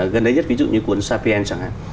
gần đây nhất ví dụ như cuốn saping chẳng hạn